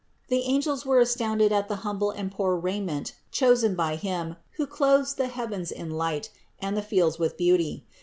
The angels were astounded at the humble and poor raiment chosen by Him who clothes the heavens in light and the fields with beauty.